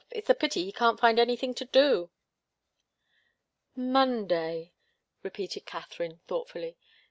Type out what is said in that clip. It's a pity he can't find anything to do." "Monday," repeated Katharine, thoughtfully.